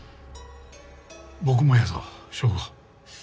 僕もやぞ省吾。